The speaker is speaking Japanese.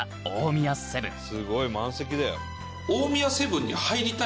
「すごい！満席だよ」